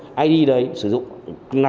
cái thứ hai là cái mạng gingo đấy